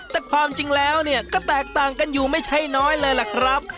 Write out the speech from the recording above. แต่ความจริงแล้วก็แตกต่างกันอยู่ไม่ใช่น้อยเลยล่ะครับ